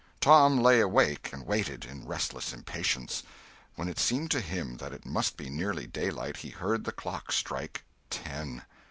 Tom lay awake and waited, in restless impatience. When it seemed to him that it must be nearly daylight, he heard the clock strike ten!